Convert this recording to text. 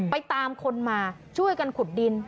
ไปตามคนมาช่วยกันขุดดิน